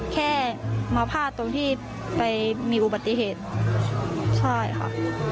แค่มาพลาดตรงที่ไปมีอุบัติเหตุใช่ค่ะ